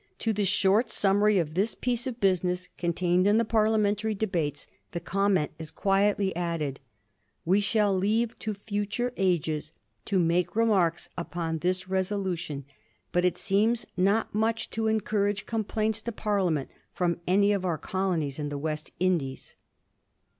To the short summary of this piece of business contained in the parlia mentary debates the comment is quietly added, '* We shall leave to future ages to make remarks upon this reso lution, but it seems not much to encourage complaints to Parliament from any of our colonies in the West Indies."